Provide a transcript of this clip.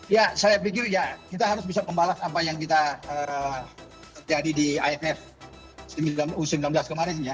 ya saya pikir ya kita harus bisa membalas apa yang kita jadi di iff u sembilan belas kemarin ya